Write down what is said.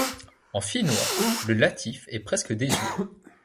En finnois, le latif est presque désuet.